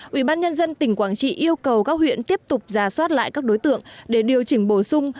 ủy ban nhân dân tỉnh quảng trị yêu cầu các huyện tiếp tục giả soát lại các đối tượng để điều chỉnh bổ sung